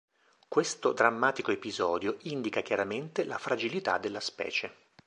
Questo drammatico episodio indica chiaramente la fragilità della specie.